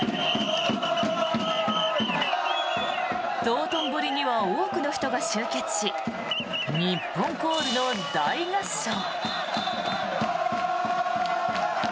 道頓堀には多くの人が集結し日本コールの大合唱。